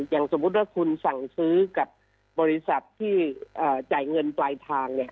อย่างสมมุติว่าคุณสั่งซื้อกับบริษัทที่จ่ายเงินปลายทาง